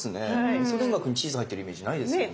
みそ田楽にチーズ入ってるイメージないですよね。